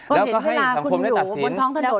แล้วก็ให้สังคมได้ตัดสิน